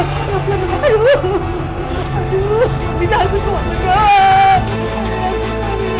aduh agak mencorob